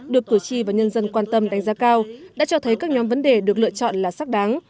được cử tri và nhân dân quan tâm đánh giá cao đã cho thấy các nhóm vấn đề được lựa chọn là sắc đáng